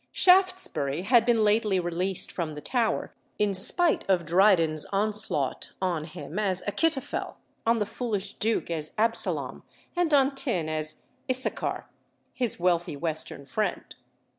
Shaftesbury had been lately released from the Tower, in spite of Dryden's onslaught on him as "Achitophel," on the foolish duke as "Absalom," and on Thynne as "Issachar," his wealthy western friend.